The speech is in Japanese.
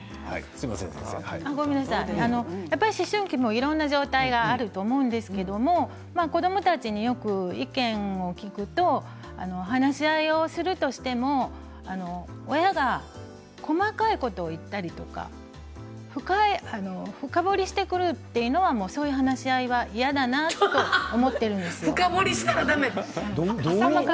やっぱり思春期もいろんな状態があると思うんですけど子どもたちによく意見を聞くと話し合いをするとしても親が細かいことを言ったりとか深掘りしてくるということはそういう話し合いは嫌だなと深掘りしたらだめなんだ。